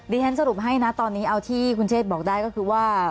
ฉันสรุปให้นะตอนนี้เอาที่คุณเชษบอกได้ก็คือว่า